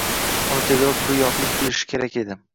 Uni tezroq bir yoqlik qilishi kerak edi.